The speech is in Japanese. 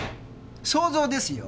想像ですよ。